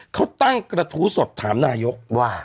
เขาตั้งกระทู้สดถามนายกว่า